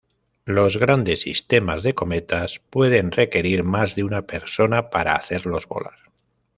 Los grandes sistemas de cometas pueden requerir más de una persona para hacerlos volar.